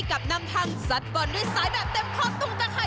ให้กับนำทางสัดบอลด้วยสายแบบเต็มครอบตรงตะไข